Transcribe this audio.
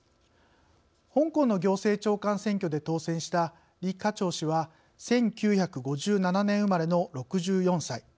香港の行政長官選挙で当選した李家超氏は１９５７年生まれの６４歳。